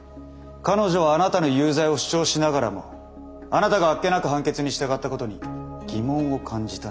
彼女はあなたの有罪を主張しながらもあなたがあっけなく判決に従ったことに疑問を感じたんでしょう。